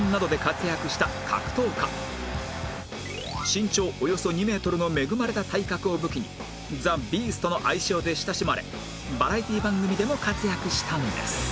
身長およそ２メートルの恵まれた体格を武器にザ・ビーストの愛称で親しまれバラエティ番組でも活躍したんです